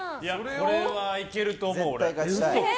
これはいけると思う。